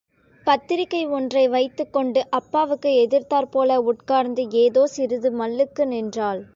பத்திரிகை ஒன்றை வைத்துக்கொண்டு அப்பாவுக்கு எதிர்த்தாற்போல உட்கார்ந்து ஏதோ சிறிது மல்லுக்கு நின்றாள்.